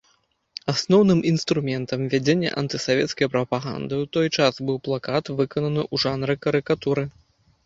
Асноўным інструментам вядзення антысавецкай прапаганды ў той час быў плакат, выкананы ў жанры карыкатуры.